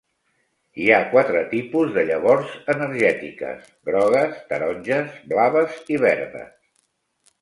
Hi ha quatre tipus de llavors energètiques: grogues, taronges, blaves i verdes.